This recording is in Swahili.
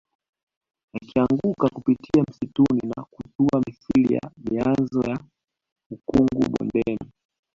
Yakianguka kupitia msituni na kutua mithili ya mianzo ya ukungu bondeni